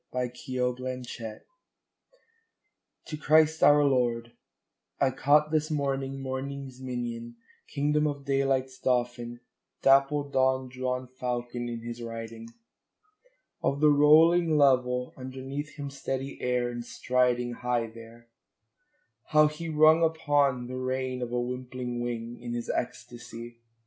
12 The Windhover: To Christ our Lord I CAUGHT this morning morning's minion, king dom of daylight's dauphin, dapple dawn drawn Fal con, in his riding Of the rolling level underneath him steady air, and striding High there, how he rung upon the rein of a wimpling wing In his ecstacy!